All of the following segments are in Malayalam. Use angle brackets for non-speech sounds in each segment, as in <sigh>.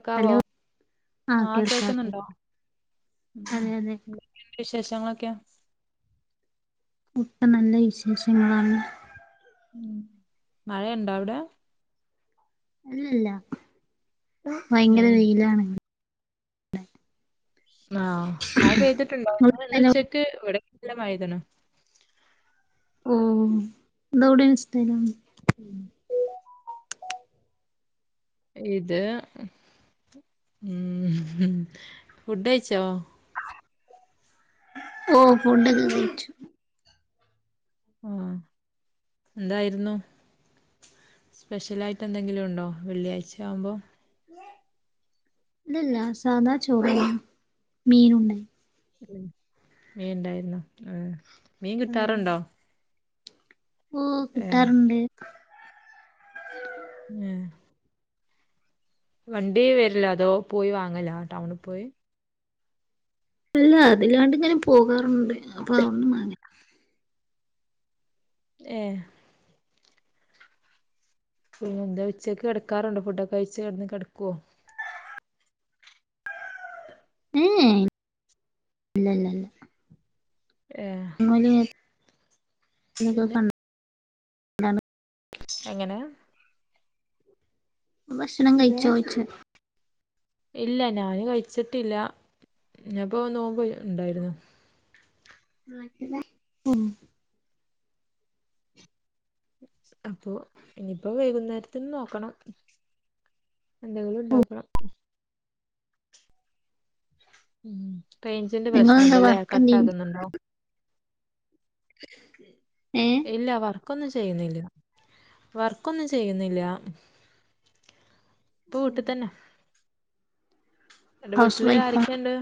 ക്കാവോ ഹലോ ആഹ് കേൾക്കാം കേ കേൾക്കുന്നുണ്ടോ ഉം അതെ അതെ എന്ത വിശേഷങ്ങളൊക്കെ. ഇപ്പം നല്ല വിശേഷങ്ങളാണ്. ഉം മഴണ്ടോ അവിടെ ഇല്ലല്ല ഭയങ്കര ഏഹ് വെയിലാണ്. ആഹ് മഴ പെയ്തിട്ടുണ്ടോ ഇന്ന് ഉച്ചക്ക് ഇവിടനല്ല മഴ പെഴ്ത്ണ്. ഊം ഇതെവിടെണ് സ്ഥലം. ഉം ഇത് ഉം ഫുഡ് കഴിച്ചോ ഓഹ് ഫുഡൊക്കെ കയിച്ചു. ആഹ് എന്തായിരുന്നു. സ്പെഷ്യലായിട്ട് എന്തെങ്കിലും ഉണ്ടോ വെള്ളിയാഴ്ച ആവുമ്പോ. ഇല്ലല്ല സാധാ ചോറും മീനും ഇണ്ടെയ്നിം ഉം മീൻ ഇണ്ടായിരുന്നോ ആഹ് മീൻ അതെ അതെ കിട്ടാറുണ്ടോ? ഓഹ് ഏഹ് കിട്ടാറുണ്ട്. ഏഹ് വണ്ടി വരലാ അതോ പോയി വാങ്ങല ടൗണിൽ പോയി. ഇല്ല അതില്ലാണ്ട് ഇങ്ങനും പോകാറുണ്ട് അപ്പൊ അവ്ട്ന്ന് മാങ്ങല ഏഹ് പിന്നെന്താ ഉച്ചയ്ക്ക് കെടക്കാറുണ്ടോ ഫുഡൊക്കെ കഴിച്ച് അവ്ട്ന്ന് കെടക്കോ ഏഹേ ഇല്ലല്ല ഏഹ് ഇല്ല <unintelligible> എങ്ങനെ ഭക്ഷണം കഴിച്ചോ ചോയ്ച്ചാ ഇല്ല ഞാന് കയ്ച്ചിട്ടില്ല ന്ന്പ്പോ നോമ്പ് ഇണ്ടായിരുന്നു നാട്ടിലാ ഉം അപ്പൊ ഇനിയിപ്പോ വൈകുന്നേരത്തിന് നോക്കണം എന്തെങ്കിലു ഓഹ് ഇണ്ടാക്കണം ഉം റെയ്ജിന്റെ നിങ്ങളെന്താ പ്രശ്നണ്ട്ല്ലേ വർക്കെന്തേലും കട്ടാകുന്നുണ്ടോ ഏഹ് ഇല്ല വർക്കൊന്നും ചെയ്യുന്നില്ല വർക്കൊന്നും ചെയ്യുന്നില്ല ഇപ്പൊ വീട്ട്തന്നെ അന്റെ ഹൗസ് വീട്ടില് വൈഫാ ആരൊക്കെണ്ട്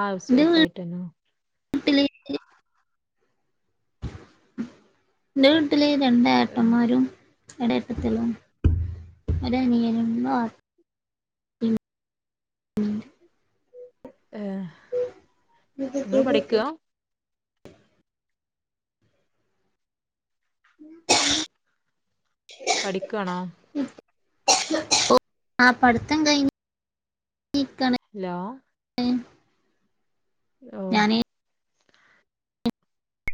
ആഹ് ഹൗസ് എന്റെ വീ വൈഫായിട്ടന്നെ ആണ് വീട്ടില് ന്റെ വീട്ടില് രണ്ടേട്ടന്മാരും ഒരേട്ടത്തിയുള്ളു ഒരനിയനും മാ ഏഹ് <unintelligible> <inaudible> പഠിക്കാണോ ആഹ് പഠിത്തം കഴിഞ്ഞി ഞ്ഞിക്കണ് ഹലോ ഹലോ ഞാന്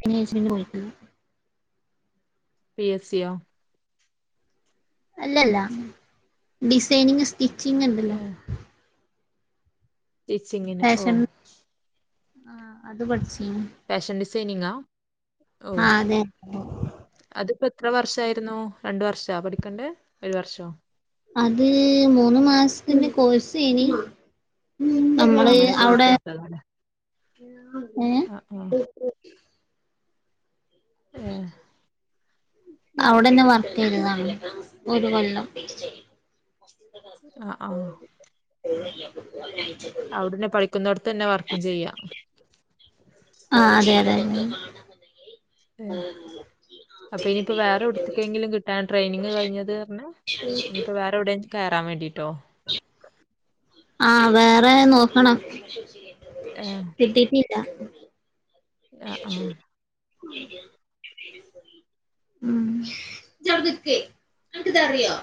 <unintelligible> പോയിട്ടില്ല പി എ സി യോ അല്ലല്ല ഡിസൈനിങ് സ്റ്റിച്ചിങ്ങ് ണ്ടല്ലോ സ്റ്റിച്ചിങ്ങിനാ ഓഹ് ആഹ് അത് പട്ച്ചീന് ഫേഷൻ ഡിസൈനിങ്ങാ ഓഹ് ആ അതെ അതിപ്പോ എത്ര വർഷായിരുന്നു രണ്ട് വർഷാ പഠിക്കണ്ടേ ഒരു വർഷോ അത് മൂന്ന് മാസ്ത്തിന്റെ കോഴ്സേനി ആ അമ്മള് അങ്ങനെ കോഴ്സ് അവിടെ എടുത്തതാല്ലേ ഏഹ് ആ ആ ഏഹ് അവിടന്നെ വർക്കെയ്തതാണ് ഒരു കൊല്ലം അഹ് ആഹ് എ ചെ അവിടുന്നെ പഠിക്കുന്നോട്ത്തന്നെ വർക്കും ചെയ്യാം ആഹ് അതെ യതെ ഏഹ് അപ്പൊ ഇനിയിപ്പോ വേറെയെവിടുത്തിക്കെങ്കിലും കിട്ടാൻ ട്രെയിനിങ് കഴിഞ്ഞത്ർഞ്ഞേ ഇനിയിപ്പോ വേറെ എവിടെങ്കിലും കേറാൻ വേണ്ടിയിട്ടോ ആഹ് വേറെ നോക്കണം ഏ കിട്ടീട്ടില്ല <inaudible> ആ ആ ഉം ജ്ജവിട നിക്ക് അനക്കിതറിയോ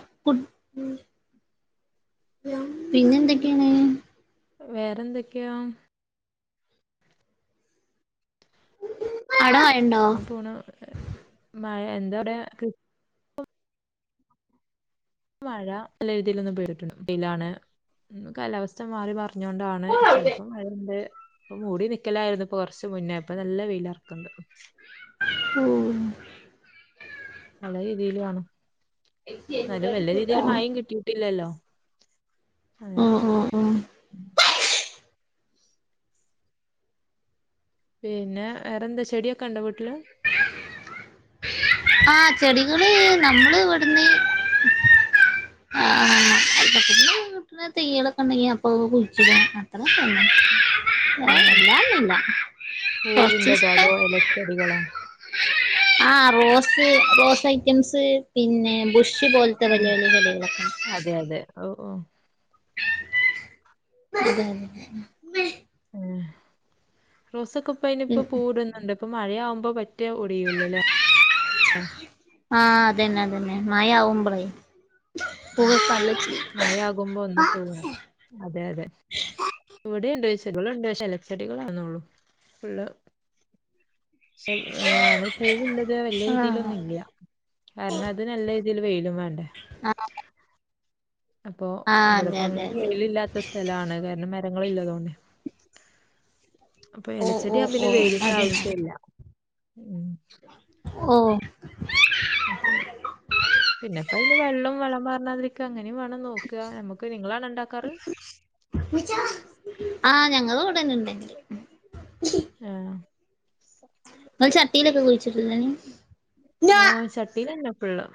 പിന്നെന്തൊക്കെയാണ് വേറെ എന്തൊക്കെയാ അട മഴ <unintelligible> പൂണ മഴ എന്താ അറിയ ക്ക് മഴ നല്ല രീതിലൊന്ന് പെയ്തിട്ടുണ്ട് പിയിലാണ് കാലാവസ്ഥ ച്ചം മാറി പറഞ്ഞൊണ്ടാണ് ഓ ചിലപ്പം മഴണ്ട് ഇപ്പ മൂടി നിക്കലായിരുന്നു ഇപ്പ കൊറച്ച മുന്നേ ഇപ്പ നല്ല വെയില ഇറക്കണ്ട് ഓഹ് നല്ല രീതിൽ വേണം നല്ല വല്ല രീതിൽ മായെ കിട്ടീട്ടല്ലല്ലോ ആഹ് ആഹ് പിന്നെ വേറെന്താ ചെടിയൊക്കെണ്ടോ വീട്ടില് ആഹ് ചെടികള് നമ്മള് ഇവിടുന്ന് ആഹ് ഏഹ് <unintelligible> <unintelligible> ചെടികളോ ആഹ് റോസ് റോസ് ഐറ്റംസ് പിന്നെ ബുഷ ആ, ആ. <unintelligible> അതെ അതെ ഓഹ് ഓഹ് അതെ അതെ റോസൊക്കെ ഇപ്പ അയിനി ഇപ്പ ഉം പൂവ്ടുന്നുണ്ട് ഇപ്പൊ മഴയാവുമ്പോ പ റ്റ ഒടിയൂല ലെ ആഹ് അതന്നെ അതന്നെ മഴ ആവുമ്പോളേ ഉം മഴ ആകുമ്പോ ഒന്ന് തന്ന അതെ അതെ ഇവിടെ ഉണ്ട് ചെടികള ഉണ്ട് പക്ഷേ ഇലച്ചെടികളണോള്ളൂ ഉള്ള പക്ഷെ ഏ നമ്മള് പൂവില്ലത് വല ആഹ് രീതിയിലൊന്നും ഇല്ല കാരണം അത് നല്ല രീതിയിൽ വെയിലും വേണ്ടേ ആ അപ്പൊ ഇവിടെപ്പോ അങ്ങനെ അതെ അതെ വെയില ഇല്ലാത്ത സ്ഥലാണ് കാരണം മരങ്ങള ഇല്ലതോണ്ടെ അപ്പൊ ഓ ഇലച്ചെടി ഓ അ പിന്നെ ഓ വെയിലിന്റെ അതന്നെ ആവശ്യം ഇല്ല ഉ ഓ അപ്പ പിന്നെപ്പ ഇ വെള്ളവും വെളം പറഞ്ഞതി അങ്ങനെയ വേണം നോക്കുക നമുക്ക് നിങ്ങളാണ് ഉണ്ടാക്കാറ് ആഹ ഞങ്ങള് ഉവിടന്നെ ഉണ്ടെങ്കില് ആഹ ൾ ചട്ടിയിലൊക്കെ കുഴിച്ചിട്ടില്ലയന് ആഹ ചട്ടീല്ലെന്നേ ഒക്കള്ളേ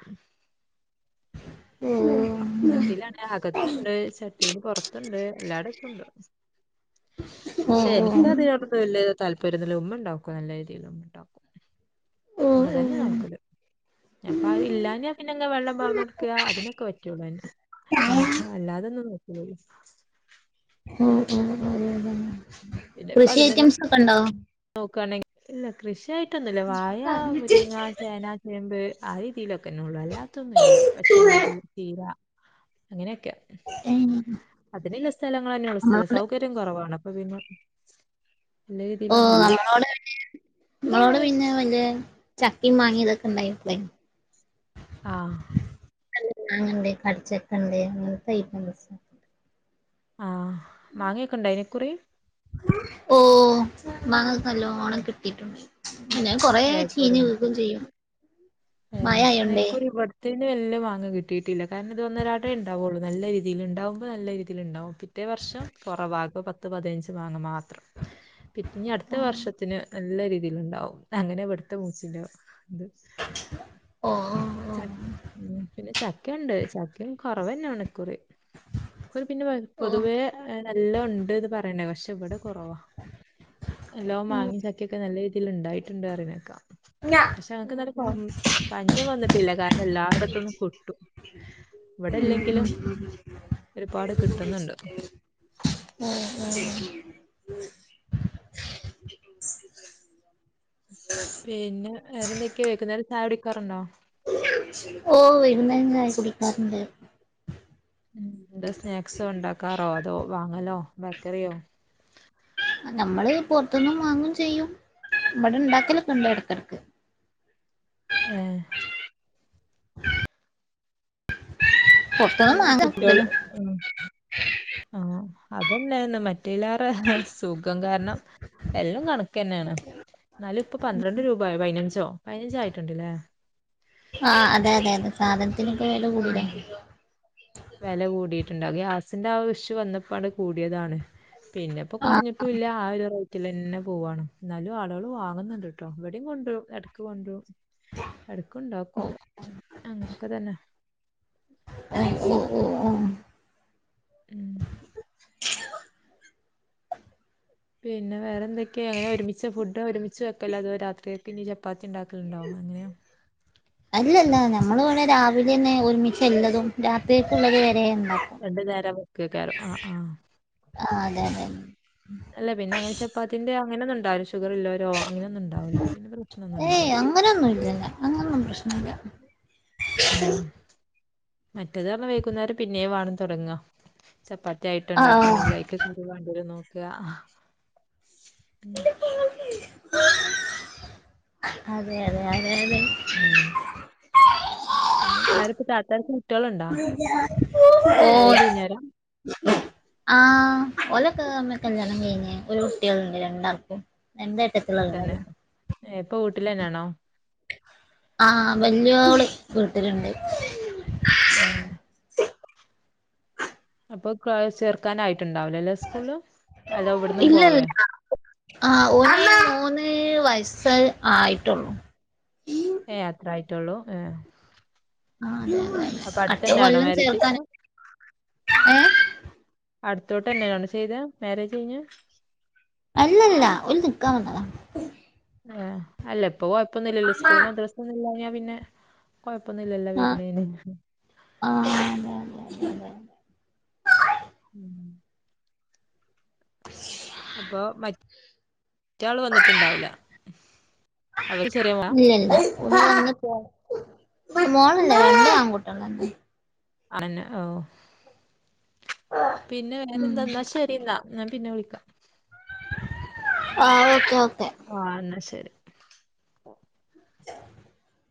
ഉം ചട്ടിയിലാണ് അകത്തുണ്ട് ചട്ടിൽ പുറത്തുണ്ട് എല്ലാടത്തുണ്ട് ഉം ഉം അതിനന്ന് വലിയ താല്പര്യംല്ല ഉമ്മ ഉണ്ടാക്കും നല്ല രീതിയിൽ ഉമ്മ ഉണ്ടാക്കും ഓ ഓ ഉമ്മ ഓ ഓ തന്നെ നോക്കല് അപ്പൊ ഇല്ലാഞാ പിന്നെ വെള്ളം പറന്നെടുക്കുക അതിനൊക്കെ വ അല്ലാതൊന്ന് നോക്കിയി ഓ ഓ കൃഷി ഐറ്റംസ് ഒക്കെ ഉണ്ടോ നോക്കുകവാണെങ്കിൽ ഇല്ല കൃഷിയായിട്ടൊന്നുല്ല വായ മുരിങ്ങ ചേന ചേമ്പ് ആ രീതിയിലൊക്കെന്നെ ഉള്ളൂ അല്ലാത്തൊന്നും ഇല്ല. പച്ചമുളക് ചീര അങ്ങനെയൊക്കെ ഏഹ് അതിനുള്ള സ്ഥലങ്ങൾ തന്നെയള്ള സ്ഥലം നമ്മളോട് സൗ ഇ കുറവാണ് അപ്പൊ അല്ല ഓ നമ്മളോടെ നമ്മളോട് പിന്നെ വല്യ ചക്ക മാങ്ങയിം ഇതൊക്കെ ഇണ്ടായിട്ട ആഹ മാങ്ങണ്ട് കടിച്ചെക്കണ്ട് അങ്ങനത്തെ ഐറ്റംസ് ആഹ മാങ്ങിയൊക്കെ ഉണ്ടായിനോ അതിനെക്കുറി ഓ മാങ്ങ നല്ലോണം കിട്ടീട്ടുണ്ട് ഞാൻ കൊറെ ഏഹ് ചീഞ് വിഗും ചെയ്യും ഹേ മഴ ന്നാ ആയോണ്ടേ ഇക്കുറി വെട് ത്ത്‌ന്ന് വെല്ല്യ മാങ്ങാ കിട്ടിയിട്ടില്ല കാരണം ഇത് ഒന്നരാടെ ണ്ടാവോള്ളൂ നല്ല രീതിയില്ണ്ടാവുമ്പോ നല്ല രീതിയില്ണ്ടാവും റ്റേ വർഷം കൊറവാകും പത്ത് പതിനഞ്ച് മാങ്ങ മാത്രം പി ഇഞ് അട്ത്ത ഓ വർഷത്തിന് നല്ല രീതിയില് ണ്ടാവും അങ്ങനെ ഇവെട്ത്തെ മൂച്ചീന്റെ ത് ഓ ച ഓ ഉം പിന്നെ ചക്കയ്ണ്ട് ചക്കയും കൊറവെന്നെണ് ഇക്കൂറി പിന്നെ ഓ പൊതുവേ നല്ല ഉണ്ട്ന്ന് പറ തെന്നെ പഷേ ഇപെടെ കൊറവാ നല്ലോം മാങ്യിം ചക്കക്കെ നല്ല ഇല്ല ഇണ്ടായിട്ട്ണ്ട് അറിനേക്കാ പക്ഷെ അങ്ങക്ക് നല്ല ഉം പഞ്ചം വന്നിട്ടില്ല കാരണം എല്ലായിടത്ത്‌ന്നും കിട്ടും ഉം വെടെല്ലെങ്കിലും ഒരുപാട് കിട്ടുന്നുണ്ട് <unintelligible> പിന്നെ വേറെന്തൊക്കെ വെയ്കു നേരം ചായട്ക്കാറുണ്ടോ ഓ വെയ്കുന്നേരം ചായ കുടിക്കാറ്ണ്ട് ഉം ന്താ സ്നാക്സോ ഇണ്ടാക്കാറോ അതോ വാങ്ങലോ ബേക്കറിയോ നമ്മള് പൊറ്ത്തുന്നും വാങ്ങും ചെയ്യും ഇബെടെ ണ്ടാക്കലൊക്കെ ണ്ട് എട്കെട്ക്ക് ഏ പുറത്തുന്ന് വാങ്ങാ കുട്ടികള് കൂടുതലും ആഹ് അതന്നെ മറ്റ റ്റിലാറേ സുഖം കാരണം എല്ലാം കണക്കെ ന്നെണ് ന്നാല് പ്പപന്ത്രണ്ട് രൂപയി പയ്നഞ്ചോ പയ്നഞ്ചാ യിട്ടുണ്ട്ലെ ആഹ് അതെ അതെ അതെ സാധനത്തിനൊക്കെ വെല കൂട്തലാ വെല കൂടിയിട്ട്ണ്ട് അഹ് ഗ്യാസിന്റെ ആ ഒര് ഇഷു വന്നപ്പാണ് കൂടിയതാണ് പിന്നെ പ്പോ ആ കൊറ്ഞ്ട്ടുല്ല ആ ഒരു റ്റ്ലെ ന്നെ പോവാണ് ന്നാലും ആളുകള് വാങ്‌ന്ണ്ട് ട്ടോ വെടിം കൊണ്ട് രും എട്ക്ക് കൊണ്ട് രും എട്ക്ണ്ടാക്കും ഓ അങ്ങൻത്തെതന്നെ <unintelligible> ഉം പിന്നെ വേറെ ന്തെക്കെ എങ്ങനെ ഒരുമിച്ചാ ഫുഡ് ഒരുമിച്ച് വക്കലാ അതോ രാത്രി പിന്നിം ചപ്പാത്തി ണ്ടാക്കല്ണ്ടോ എങ്ങനെയാ അല്ലല്ല നമ്മള് വെടെ രാവിലെ ന്നെ ഒരുമിച്ചല്ലതും രാത്രിയക്ള്ളത് വരെ ണ്ടാ രണ്ട് നേരം ക്കെക്കാരം ആഹ് ആഹ് ആ അതെ അതെ അല്ല പിന്നെ എങ്ങ്നെച്ച പ്പ അതിന്റെ അങ്ങനൊന്ന് ണ്ടാവില്ല ഷുഗറ് ല്ലോരോ അങ്ങനൊന്നുംണ്ടാവുലാ അപ്പ പിന്ന പ്രശനൊന്നും ണ്ടാവുല്ല അങ്ങനെന്നും ഇല്ലല്ല അങ്ങനൊന്നും പ്രശ്നല്ല ആഹ് മറ്റേത് റ്ഞ വെക്കുന്നേരം പിന്നേം വാണം തൊട്ങ്ങാ ചപ്പാത്തി ആയിട്ട് ആ ണ്ടാക്കാണെങ്കിലയ്ക് അതും വാണ്ടിയെരുംനോക്ക്അ <unintelligible> അതെ അതെ അതെ അതെ ഉം പിന്നെ അവര്ക്ക് ത്താത്താര്ക്ക് കുട്ടികള്ണ്ടോ മേരേജ് കഴിഞ്ഞോരാ ആഹ് ഓലൊക്കെ കല്യാണം കഴിഞ് ഒര് കുട്ടിയാള്ണ്ട് രണ്ടാൾക്കും രണ്ടേട്ടത്തിയാളാ <unintelligible> ഏഹ് പ്പ വീട്ടിലെന്നെയാണോ ആഹ് വെല്ല്യോള് വീട്ട്ല്ണ്ട് ഏഹ് അപ്പൊ ചേർക്കാനായിട്ട്ണ്ടാവുലലെ സ്കൂള്ല് അലൊ വെട്ന്നും പോവേ ആഹ് ഓന് മൂന്ന് വയസ്സ് ആയിട്ടൊള്ളൂ ഏഹ് അത്ര ആയിട്ടോള്ളൂ ഏഹ് ആ അതെ അതെ അപ്പൊ അതെ അടുത്ത അടുത്തന്നാണോ കൊല്ലം മാരേജ് ചേർക്കാൻ ഏ അടുത്തോട്ടെന്നെ ആണോ ചെയ്തെ മാരേജ് കഴിഞ്ഞെ അല്ലല്ല ഓല് നിക്കാൻ വന്നതാ ഏഹ് അല്ല ഇപ്പൊ കൊഴപ്പൊന്നുല്ലല്ലോ ആ സ്കൂളും മദ്രസേം ഒന്നുമില്ലാഞ്ഞാ പിന്നെ കൊഴപ്പൊന്നുല്ലല്ലൊ വെര്നേന് ആഹ് അതെ അതെ അതെ അതെ ഉം <inaudible> അപ്പൊ മ റ്റാ ള് വന്നിട്ട്ണ്ടാവുല്ല അവര് ചെറിയ ആളാ ഓള് വന്ന് പോയി മോളല്ല രണ്ടും ആങ്കുട്യോളെന്നെ ആ നെന്നെ ഓഹ് പിന്നെ ഉം വേറെന്താന്നാ ശ രി ന്നാ ഞാൻ പിന്നെ വിളിക്കാ ആഹ് ഓക്കേ ഓക്കെ ആഹ് ന്നാശരി <inaudible>